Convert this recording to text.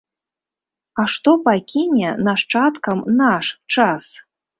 А што пакіне нашчадкам наш час?